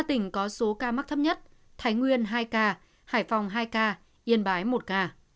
ba tỉnh có số ca mắc thấp nhất thái nguyên hai ca hải phòng hai ca yên bái một ca